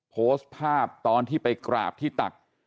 โพสต์ภาพตอนที่ไปกราบที่ตัก